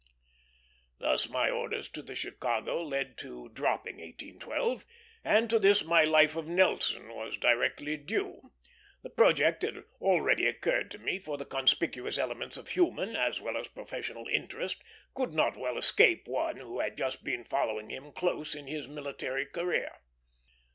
Thus my orders to the Chicago led to dropping 1812, and to this my Life of Nelson was directly due. The project had already occurred to me, for the conspicuous elements of human as well as professional interest could not well escape one who had just been following him closely in his military career.